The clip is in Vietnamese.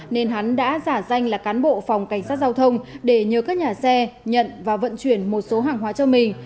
nên hắn đã giả danh là cán bộ phòng cảnh sát giao thông để nhờ các nhà xe nhận và vận chuyển một số hàng hóa cho mình